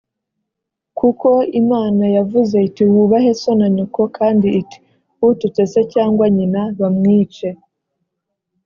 kuko imana yavuze iti, wubahe so na nyoko, kandi iti, ututse se cyangwa nyina bamwice